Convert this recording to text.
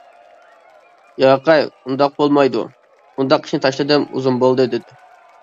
-ياقەي، ئۇنداق بولمايدۇ، ئۇنداق ئىشنى تاشلىدىم ئۇزۇن بولدى دېدى.